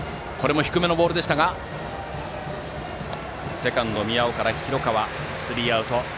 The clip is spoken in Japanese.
セカンド宮尾から広川へ渡ってスリーアウト。